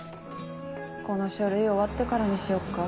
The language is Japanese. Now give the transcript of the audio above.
この書類終わってからにしよっか。